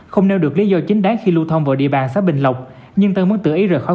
không nêu được lý do chính đáng khi lưu thông vào địa bàn xã bình lộc nhưng tân muốn tự ý rời khỏi